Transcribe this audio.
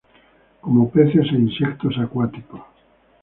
Come peces e insectos acuáticos.